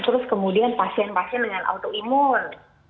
terus kemudian pasien pasien dengan autoimun